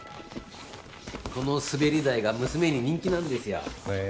この滑り台が娘に人気なんですよへえ